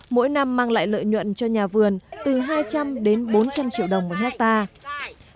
mỗi năm mang lại lợi nhuận cho nhà vườn từ hai trăm linh đến bốn trăm linh triệu đồng một hectare